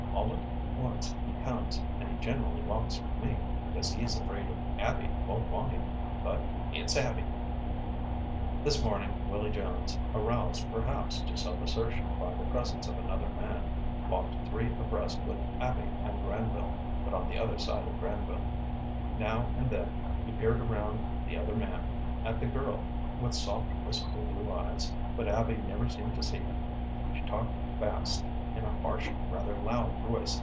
All at once he comes, and he generally walks with me, because he's afraid Abby won't want him, but it's Abby." This morning, Willy Jones, aroused, perhaps, to self assertion by the presence of another man, walked three abreast with Abby and Granville, but on the other side of Granville. Now and then he peered around the other man at the girl, with soft, wistful blue eyes, but Abby never seemed to see him. She talked fast, in a harsh, rather loud voice.